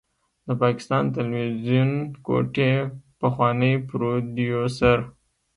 د پاکستان تلويزيون کوټې پخوانی پروديوسر